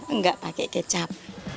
enggak pakai kecap